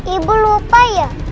ibu lupa ya